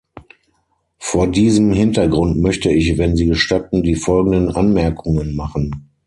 Vor diesem Hintergrund möchte ich, wenn Sie gestatten, die folgenden Anmerkungen machen.